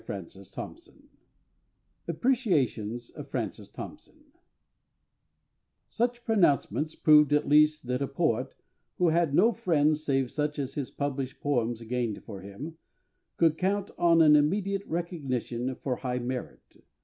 Appreciations of Francis Thompson _"Such pronouncements proved at least that a poet, who had no friend save such as his published poems gained for him, could count on an immediate recognition for high merit.